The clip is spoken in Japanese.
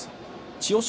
千代翔